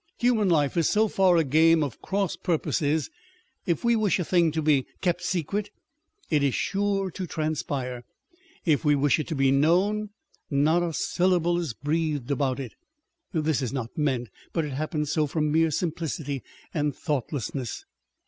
Human life is so far a game of cross purposes. If we wish a thing to be kept secret, it is sure to transpire : if we wish it to be known, not a syllable is breathed about it. This is not meant ; but it happens so from mere simplicity and thoughtlessness.